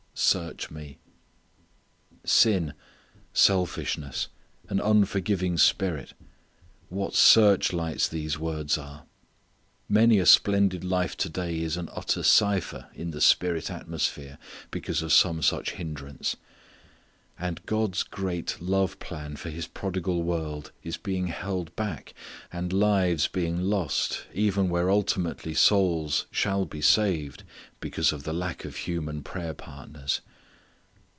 Search Me. Sin, selfishness, an unforgiving spirit what searchlights these words are! Many a splendid life to day is an utter cipher in the spirit atmosphere because of some such hindrance. And God's great love plan for His prodigal world is being held back; and lives being lost even where ultimately souls shall be saved because of the lack of human prayer partners.